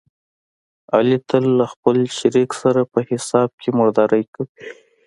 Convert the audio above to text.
علي تل له خپل شریک سره په حساب کې مردارې کوي.